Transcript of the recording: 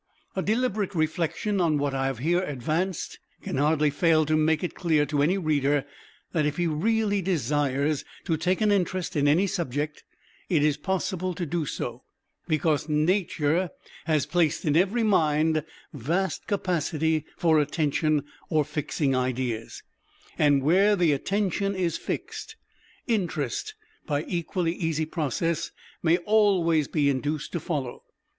A deliberate reflection on what I have here advanced can hardly fail to make it clear to any reader that if he really desires to take an interest in any subject, it is possible to do so, because Nature has placed in every mind vast capacity for attention or fixing ideas, and where the Attention is fixed, Interest, by equally easy process, may always be induced to follow.